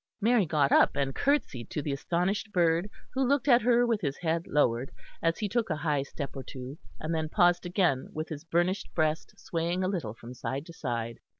Mary got up and curtseyed to the astonished bird, who looked at her with his head lowered, as he took a high step or two, and then paused again, with his burnished breast swaying a little from side to side.